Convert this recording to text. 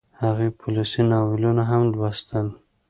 هغې پوليسي ناولونه هم لوستل